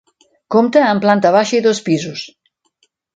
Compta amb planta baixa i dos pisos.